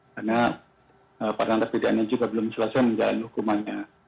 karena para narapidana juga belum selesai menjalani hukumannya